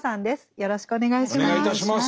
よろしくお願いします。